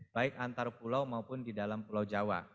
baik antar pulau maupun di dalam pulau jawa